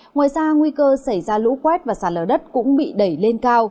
ngoài ra nguy cơ xảy ra lũ quét và sạt lở đất cũng bị đẩy lên cao